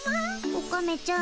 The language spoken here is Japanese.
オカメちゃん。